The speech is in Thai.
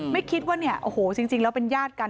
ไม่คิดว่าเนี่ยโอ้โหจริงแล้วเป็นญาติกัน